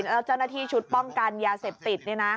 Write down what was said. แล้วเจ้าหน้าที่ชุดป้องกันยาเสพติด